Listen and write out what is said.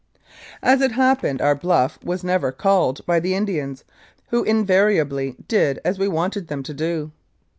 As it happened, our " bluff " was never "called" by the Indians, who invariably did as we wanted them to do.